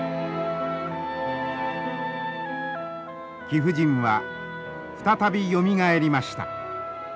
貴婦人は再びよみがえりました。